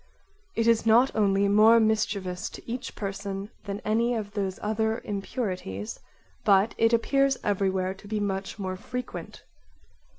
It is not only more mischievous to each person than any of those other impurities, but it appears everywhere to be much more frequent.